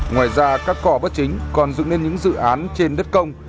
ngoài ra các cỏ bất chính còn dựng lên những dự án trên đất công